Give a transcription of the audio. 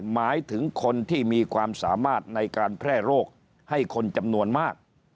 หมายถึงคนที่มีความสามารถในการแพร่โรคให้คนจำนวนมาก